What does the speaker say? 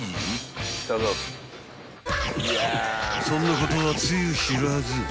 ［そんなことはつゆ知らず］